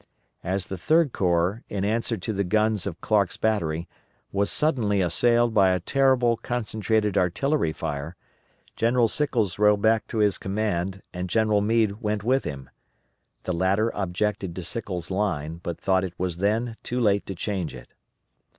As the Third Corps, in answer to the guns of Clark's battery, was suddenly assailed by a terrible concentrated artillery fire, General Sickles rode back to his command and General Meade went with him. The latter objected to Sickles' line, but thought it was then too late to change it.